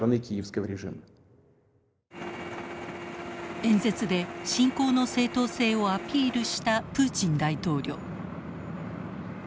演説で侵攻の正当性をアピールしたプーチン大統領。